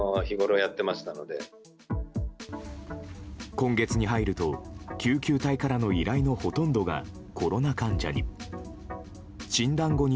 今月に入ると救急隊からの依頼のほとんどがコロナ患者に。